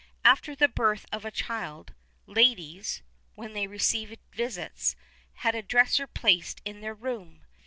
[XXXI 21] After the birth of a child, ladies, when they received visits, had a dresser placed in their room.